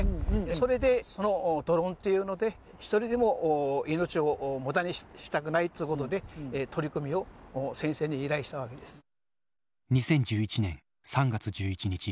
それでそのドローンというので、一人でも命をむだにしたくないということで、取り組みを先生に依２０１１年３月１１日。